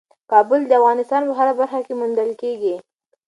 کابل د افغانستان په هره برخه کې موندل کېږي.